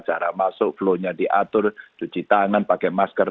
cara masuk flow nya diatur cuci tangan pakai masker